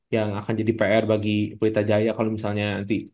yang akan jadi pr bagi pelita jaya kalau misalnya nanti